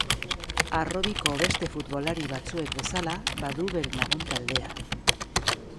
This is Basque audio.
Harrobiko beste futbolari batzuek bezala, badu bere lagun taldea.